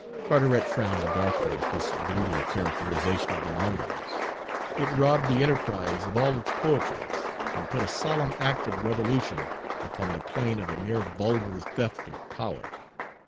Carteret frowned darkly at this brutal characterization of their motives. It robbed the enterprise of all its poetry, and put a solemn act of revolution upon the plane of a mere vulgar theft of power.